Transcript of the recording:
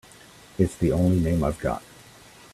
It's the only name I've got.